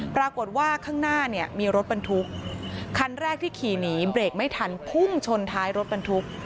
ปรากฏว่าข้างหน้าเนี่ยมีรถบรรทุกคันแรกที่ขี่หนีเบรกไม่ทันพุ่งชนท้ายรถบรรทุก